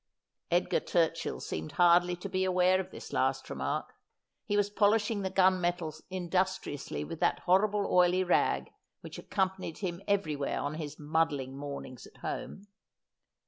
Edgar Turchill seemed hardly to be aware of this last remark. He was polishing the gun metal industriously with that horrible oily rag wliich accompanied him everywhere on his muddling mornings at home.